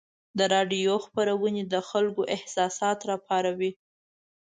د راډیو خپرونې د خلکو احساسات راپاروي.